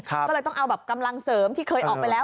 ก็เลยต้องเอาแบบกำลังเสริมที่เคยออกไปแล้ว